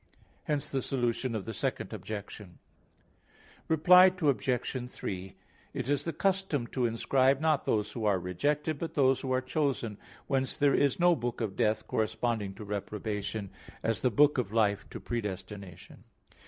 Hence the solution of the Second Objection. Reply Obj. 3: It is the custom to inscribe, not those who are rejected, but those who are chosen. Whence there is no book of death corresponding to reprobation; as the book of life to predestination.